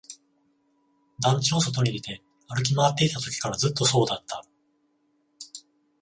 団地の外に出て、歩き回っていたときからずっとそうだった